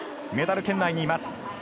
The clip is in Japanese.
メダル圏内にいます。